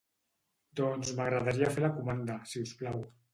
Doncs m'agradaria fer la comanda, si us plau.